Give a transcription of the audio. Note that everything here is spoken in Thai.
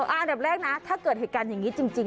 อันดับแรกนะถ้าเกิดเหตุการณ์อย่างนี้จริง